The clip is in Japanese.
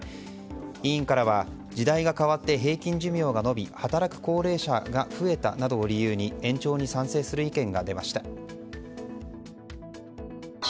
委員からは時代が変わって平均寿命が延び働く高齢者が増えたなどを理由に延長に賛成する意見が出ました。